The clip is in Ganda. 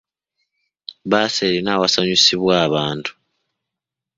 Bbaasi erina awasanyusibwa abantu.